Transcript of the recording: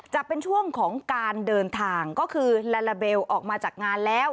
จะเป็นช่วงของการเดินทางก็คือลาลาเบลออกมาจากงานแล้ว